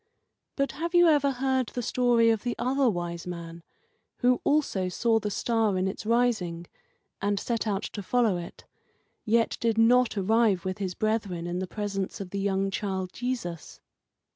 But have you ever heard the story of the Other Wise Man, who also saw the star in its rising, and set out to follow it, yet did not arrive with his brethren in the presence of the young child Jesus?